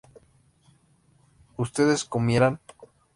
¿ustedes comieran?